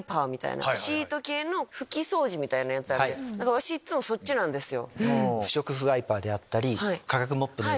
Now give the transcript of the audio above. わしいっつもそっちなんですよ。